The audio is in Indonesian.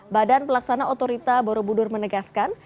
badan pelaksana otorita borobudur menegaskan